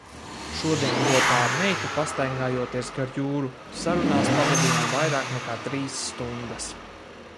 Šodien kopā ar meitu pastaigājoties gar jūru, sarunās pavadījām vairāk nekā trīs stundas.